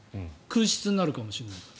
空室になるかもしれない。